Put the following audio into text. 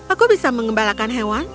aku bisa mengembalakan hewan